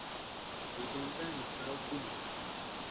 Se encuentra en los prados húmedos.